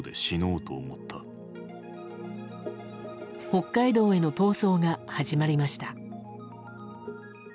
北海道への逃走が始まりました。